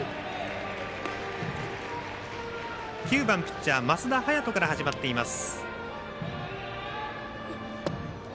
９番、ピッチャー升田早人から始まっています。